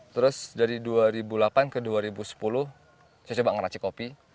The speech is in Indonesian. terus dari dua ribu delapan ke dua ribu sepuluh saya coba ngeracik kopi